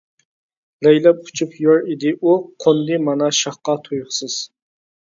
لەيلەپ ئۇچۇپ يۈرەر ئىدى ئۇ، قوندى مانا شاخقا تۇيۇقسىز.